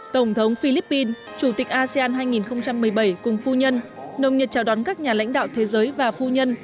tổng thống philippines chủ tịch asean hai nghìn một mươi bảy cùng phu nhân nồng nhiệt chào đón các nhà lãnh đạo thế giới và phu nhân